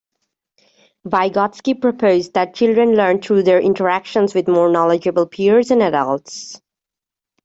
Vygotsky proposed that children learn through their interactions with more knowledgeable peers and adults.